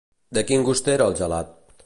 De quin gust era el gelat?